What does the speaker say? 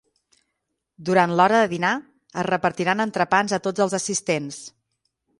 Durant l'hora de dinar es repartiran entrepans a tots els assistents.